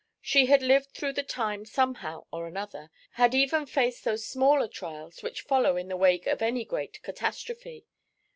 She had lived through the time somehow or another, had even faced those smaller trials which follow in the wake of any great catastrophe.